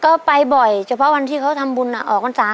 ก็ไปบ่อยเฉพาะวันที่เขาทำบุญออกพรรษา